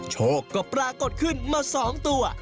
โชคก็ปรากฏขึ้นมา๒ตัว